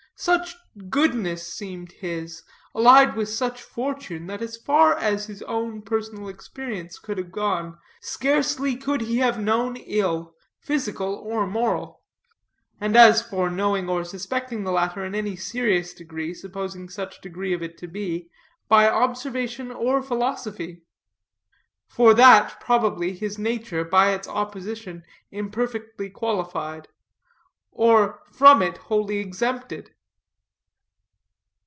Such goodness seemed his, allied with such fortune, that, so far as his own personal experience could have gone, scarcely could he have known ill, physical or moral; and as for knowing or suspecting the latter in any serious degree (supposing such degree of it to be), by observation or philosophy; for that, probably, his nature, by its opposition, imperfectly qualified, or from it wholly exempted.